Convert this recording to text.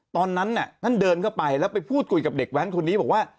ตอนนั้นท่านเดินเข้าไปแล้วไปพูดคุยกับเด็กแว้นคนนี้บอกว่า